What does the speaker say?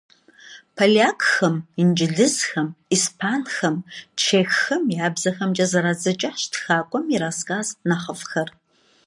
Полякхэм, инджылызхэм, испанхэм, чеххэм я бзэхэмкӀэ зэрадзэкӀащ тхакӀуэм и рассказ нэхъыфӀхэр.